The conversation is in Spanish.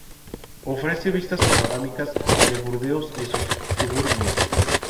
Ofrece vistas panorámicas de Burdeos y sus suburbios.